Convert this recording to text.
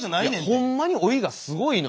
いやほんまに老いがすごいのよ。